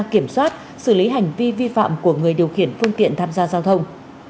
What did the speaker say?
kiểm soát xử lý hành vi vi phạm của người điều khiển phương tiện tham gia giao thông